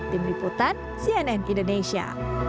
tim liputan cnn indonesia